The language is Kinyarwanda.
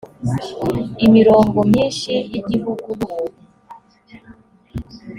imirongo myinshi yigihugu nubuntu.